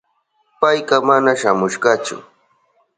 Payka mana shamushkachu.